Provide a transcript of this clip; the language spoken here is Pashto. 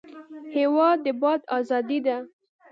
هېواد د باد ازادي ده.